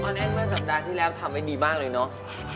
แน่นเมื่อสัปดาห์ที่แล้วทำไว้ดีมากเลยเนาะ